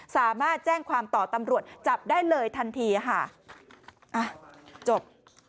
สามารถแจ้งความต่อตำรวจจับได้เลยทันทีค่ะอ่ะจบ